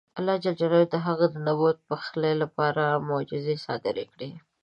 الله جل جلاله د هغه د نبوت د پخلي لپاره معجزې صادرې کړې.